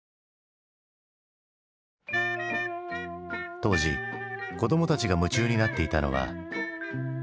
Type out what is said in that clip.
当時子供たちが夢中になっていたのは。